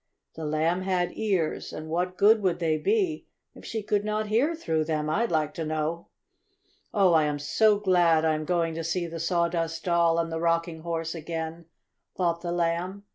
The Lamb had ears, and what good would they be if she could not hear through them, I'd like to know? "Oh, I am so glad I am going to see the Sawdust Doll and the Rocking Horse again," thought the Lamb.